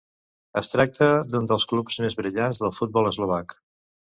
Es tracta d'un dels clubs més brillants del futbol eslovac.